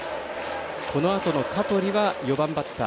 このあとの香取は４番バッター。